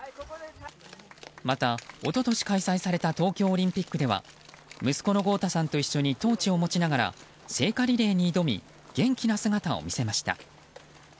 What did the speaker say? また、一昨年開催された東京オリンピックでは息子の豪太さんと一緒にトーチを持ちながら聖火リレーに挑み元気な姿を見せました。